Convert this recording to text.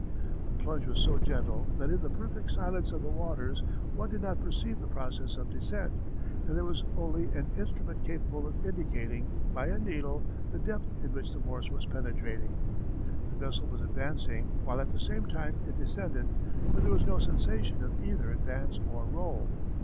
The plunge was so gentle that in the perfect silence of the waters one did not perceive the process of descent, and there was only an instrument capable of indicating, by a needle, the depth to which the Morse was penetrating. The vessel was advancing while at the same time it descended, but there was no sensation of either advance or roll.